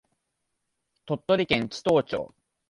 鳥取県智頭町